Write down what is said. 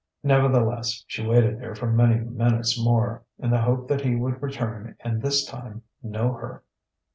Nevertheless she waited there for many minutes more, in the hope that he would return and this time know her.